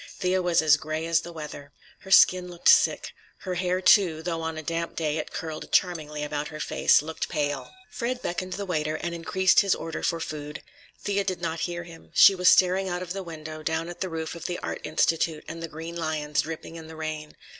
Thea was as gray as the weather. Her skin looked sick. Her hair, too, though on a damp day it curled charmingly about her face, looked pale. Fred beckoned the waiter and increased his order for food. Thea did not hear him. She was staring out of the window, down at the roof of the Art Institute and the green lions, dripping in the rain.